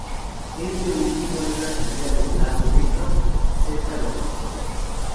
Este último es la salida del lago Nero, cerca de Rostov.